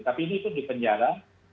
tapi ini pun di penjara